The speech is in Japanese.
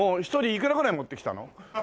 いくらぐらい持ってきたの？